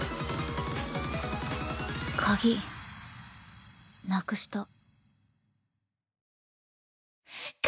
鍵なくした。